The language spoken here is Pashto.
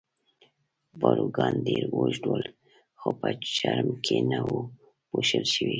پاروګان ډېر اوږد ول، خو په چرم کې نه وو پوښل شوي.